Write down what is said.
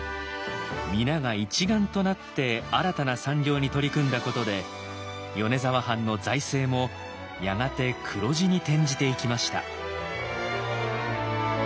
皆が一丸となって新たな産業に取り組んだことで米沢藩の財政もやがて黒字に転じていきました。